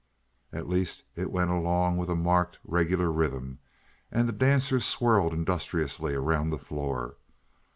At least it went along with a marked, regular rhythm, and the dancers swirled industriously around the floor.